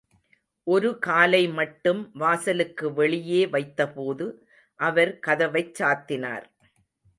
ஒரு காலை மட்டும் வாசலுக்கு வெளியே வைத்தபோது, அவர் கதவைச் சாத்தினார்.